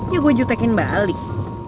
ya gue jutekin balik